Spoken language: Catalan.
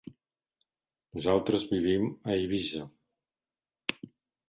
Nosaltres vivim a Eivissa.